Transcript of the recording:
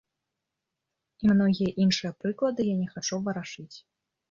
І многія іншыя прыклады я не хачу варашыць.